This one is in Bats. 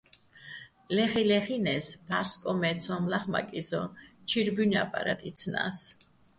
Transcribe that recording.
ლე́ხიჼ-ლეხინე́ს, ფა́რსკოჼ მე ცო́მ ლახმაკიჼ სოჼ, ჩირ ბუ́ჲნი̆ აპარატ იცნა́ს.